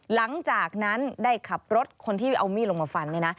หลังจากนั้นได้ขับรถคนที่เอามีดลงมาฟันเนี่ยนะ